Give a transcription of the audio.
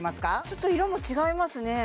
ちょっと色も違いますね